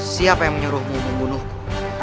siapa yang menyuruhmu membunuhku